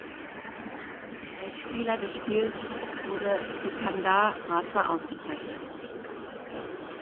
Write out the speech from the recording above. Als Spieler des Spiels wurde Sikandar Raza ausgezeichnet.